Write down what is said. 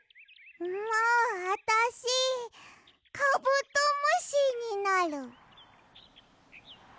もうあたしカブトムシになる。